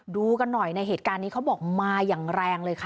ดูกันหน่อยในเหตุการณ์นี้เขาบอกมาอย่างแรงเลยค่ะ